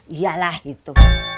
iya lah itu